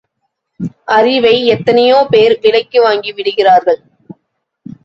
அறிவை எத்தனையோ பேர் விலைக்கு வாங்கி விடுகிறார்கள்.